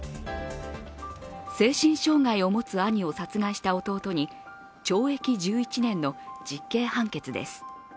精神障害を持つ兄を殺害した弟に懲役１１年の実刑判決です。